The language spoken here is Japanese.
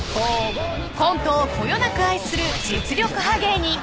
［コントをこよなく愛する実力派芸人］